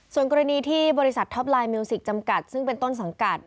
ส่วนกรณีที่บริษัทท็อปไลนมิวสิกจำกัดซึ่งเป็นต้นสังกัด